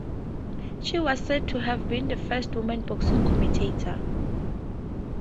She was said to have been the first woman boxing commentator.